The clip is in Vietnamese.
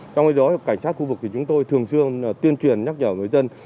trong khi đó cảnh sát khu vực thì chúng tôi thường xương tuyên truyền nhắc nhở người dân